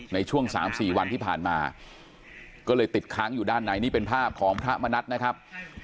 ในช่วง๓๔วันที่ผ่านมาก็เลยติดค้างอยู่ด้านในนี่เป็นภาพของพระมณัฐนะครับ